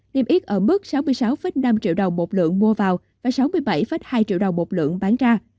niêm yết ở mức sáu mươi sáu năm triệu đồng một lượng mua vào và sáu mươi bảy hai triệu đồng một lượng bán ra